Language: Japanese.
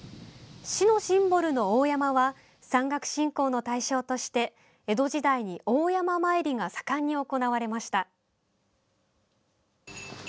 市のシンボルの大山は山岳信仰の対象として江戸時代に大山詣りが盛んに行われました。